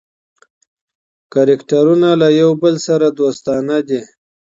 کرکټرونه له یو بل سره دوستانه دي.